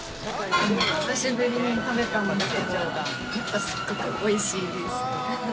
久しぶりに食べたんですけど、すごくおいしいです！